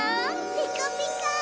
ピカピカ！